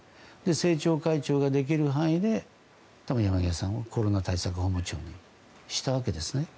政調会長ができる範囲で多分、山際さんを新型コロナ対策本部長に任命したわけですね。